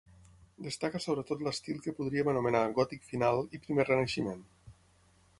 Destaca sobretot l'estil que podríem anomenar gòtic final i primer renaixement.